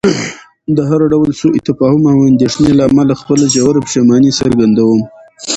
د هر ډول سوء تفاهم او اندېښنې له امله خپله ژوره پښیماني څرګندوم.